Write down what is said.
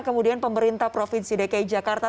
kemudian pemerintah provinsi dki jakarta